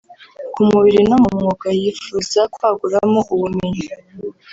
ku mubiri no mu mwuga yifuza kwaguramo ubumenyi